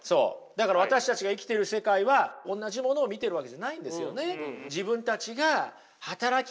だから私たちが生きてる世界はおんなじものを見ているわけじゃないんですよね。